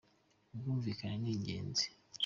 ubwumvikane ningenzi.